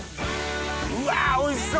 うわおいしそ！